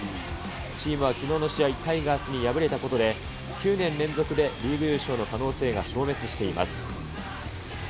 チームはきのうの試合、タイガースに敗れたことで、９年連続でリーグ優勝の可能性が消滅しています。